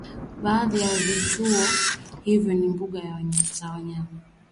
baadhi ya vivutio hivyo ni mbuga za wanyama